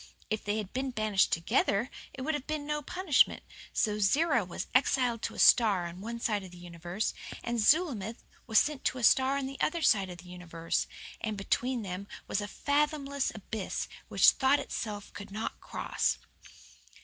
If they had been banished TOGETHER it would have been no punishment; so Zerah was exiled to a star on one side of the universe, and Zulamith was sent to a star on the other side of the universe; and between them was a fathomless abyss which thought itself could not cross.